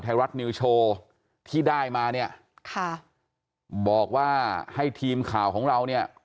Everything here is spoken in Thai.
ไทยรัฐนิวโชว์ที่ได้มาเนี่ยค่ะบอกว่าให้ทีมข่าวของเราเนี่ย